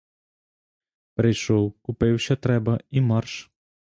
Прийшов, купив, що треба — і марш.